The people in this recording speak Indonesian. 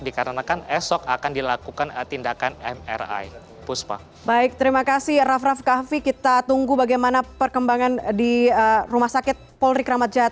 dikarenakan esok akan dilakukan tindakan mri